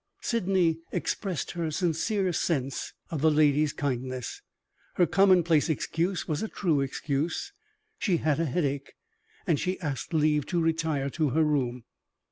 Sydney expressed her sincere sense of the lady's kindness. Her commonplace excuse was a true excuse she had a headache; and she asked leave to retire to her room.